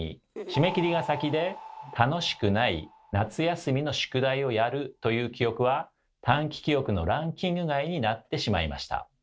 締め切りが先で楽しくない「夏休みの宿題をやる」という記憶は短期記憶のランキング外になってしまいました。